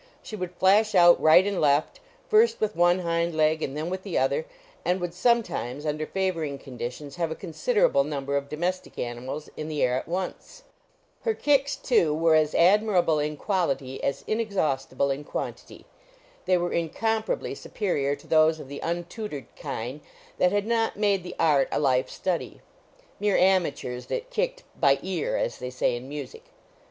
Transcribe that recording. She would flash out, right and left, first with one hind leg and then with the other, and would sometimes, under favoring conditions, have a considerable number of domestic animals in the air at once. Her kicks, too, were as admirable in quality as inexhaustible in quantity. They were incomparably superior to those of the untutored kine that had not made the art a life study mere amateurs that kicked "by ear," as they say in music.